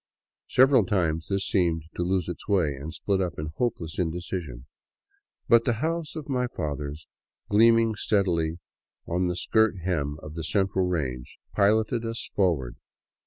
Several times this seemed to lose its way, and split up in hopeless indecision. But the " house of my fathers," gleaming steadily on the skirt hem of the central range, piloted us forward.